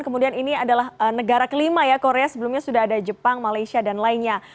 kemudian ini adalah negara kelima ya korea sebelumnya sudah ada jepang malaysia dan lainnya